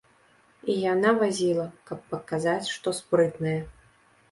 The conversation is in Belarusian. І яна вазіла, каб паказаць, што спрытная.